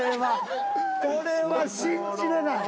これは信じれない。